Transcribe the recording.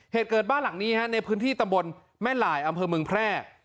เหตุเกิดบ้านหลังนี้ฮะในพื้นที่ตำบลแม่หลายอำเภอเมืองแพร่